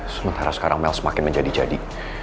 sementara sekarang mel semakin menjadi jadi